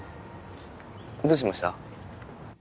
どうしました？